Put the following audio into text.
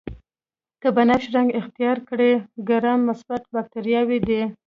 که بنفش رنګ اختیار کړي ګرام مثبت باکتریاوې دي.